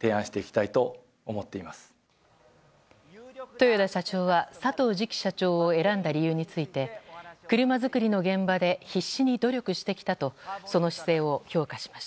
豊田社長は、佐藤次期社長を選んだ理由について車作りの現場で必死に努力してきたとその姿勢を評価しました。